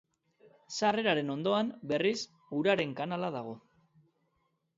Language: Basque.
Sarreraren ondoan, berriz, uraren kanala dago.